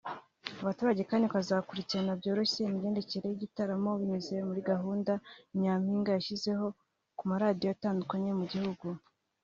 Abaturage kandi bazakurikirana byoroshye imigendekere y’igitaramo binyuze muri gahunda Ni Nyampinga yashyizeho ku maradiyo atandukanye mu gihugu